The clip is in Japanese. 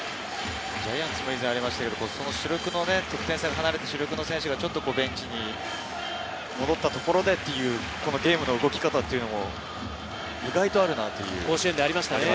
ジャイアンツも以前ありましたけれど得点に絡む主力選手がベンチに戻ったところでっていうゲームの動き方っていうのも意外とあるなという。